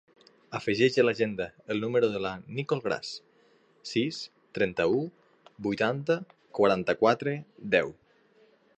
Afegeix a l'agenda el número de la Nicole Gras: sis, trenta-u, vuitanta, quaranta-quatre, deu.